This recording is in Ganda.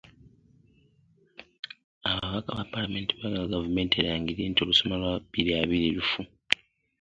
Ababaka ba Paalamenti baagala Gavumenti erangirire nti olusoma lwa bbiri abiri lufu.